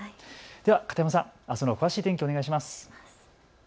では片山さん、あすの詳しい天気をお願いします。